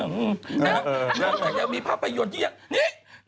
นอกจากยังมีภาพยนตร์ที่อย่างนี้